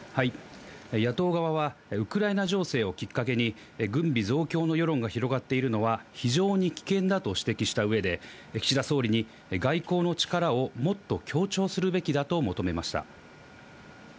野党側はウクライナ情勢をきっかけに、軍備増強の世論が広がっているのは、非常に危険だと指摘したうえで、岸田総理に、外交の力をもっと強調するべきだと求めました。